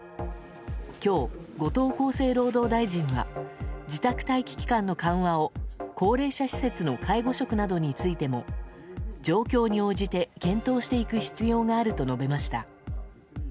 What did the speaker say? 今日、後藤厚生労働大臣は自宅待機期間の緩和を高齢者施設の介護職などについても状況に応じて、検討していく必要があると述べました。